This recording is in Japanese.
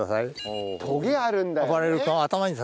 トゲあるんだって。